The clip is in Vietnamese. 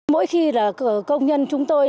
mỗi khi là công nhân chúng tôi